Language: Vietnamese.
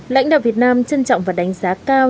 lãnh đạo việt nam trân trọng và đánh giá cao